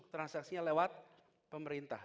transaksinya lewat pemerintah